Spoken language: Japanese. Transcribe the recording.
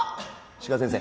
志賀先生